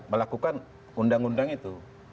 melakukan undang undang itu